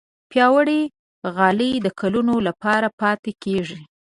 پیاوړې غالۍ د کلونو لپاره پاتې کېږي.